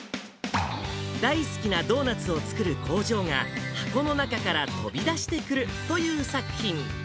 大好きなドーナツを作る工場が、箱の中から飛び出してくるという作品。